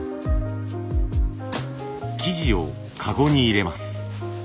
生地を籠に入れます。